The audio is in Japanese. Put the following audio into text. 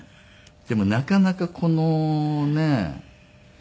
でもなかなかこのねえ。